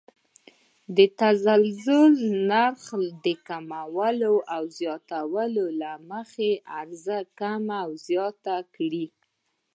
د تنزیل نرخ د کموالي او زیاتوالي له مخې عرضه کمه او زیاته کړي.